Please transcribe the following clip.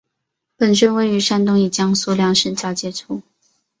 本镇位于山东与江苏两省交界处。